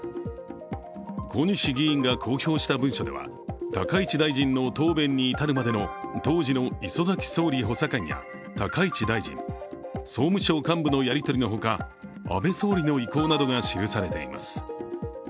小西議員が公表した文書では高市大臣の答弁に至るまでの当時の磯崎総理補佐官や高市大臣、総務省幹部のやり取りのほか、安倍総理の意向などが記されています。